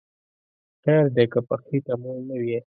خیر دی که په خیټه موړ نه وی